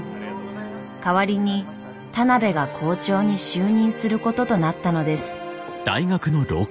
代わりに田邊が校長に就任することとなったのです。